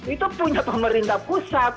itu punya pemerintah pusat